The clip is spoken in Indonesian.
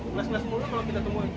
belas belas mula kalau kita tungguin